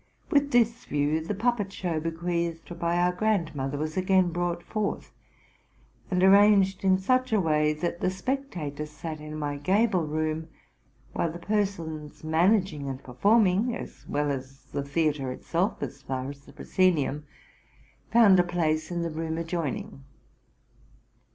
With this view, the puppet show bequeathed by ow grandmother was again brought forth, and arranged in such a way that the spectators sat in my gable room; while the persons managing and performing, as well as the theatre itself as far as the proscenium, found a place in the room adjoining.